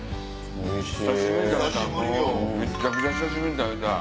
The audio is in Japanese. おいしい！